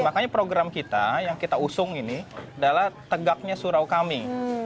makanya program kita yang kita usung ini adalah tegaknya surau kami